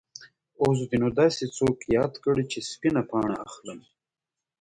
اوس دې نو داسې څوک یاد کړ چې سپینه پاڼه اخلم.